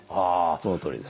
そのとおりです。